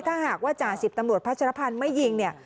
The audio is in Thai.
ถ้าหากว่าจาศิษย์ตำรวจพระชรภัณฑ์ไม่ยิง